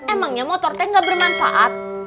emangnya motor kayaknya gak bermanfaat